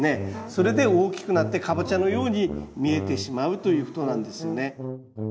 それで大きくなってカボチャのように見えてしまうということなんですよね。